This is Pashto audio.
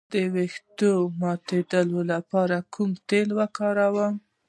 د ویښتو د ماتیدو لپاره کوم تېل وکاروم؟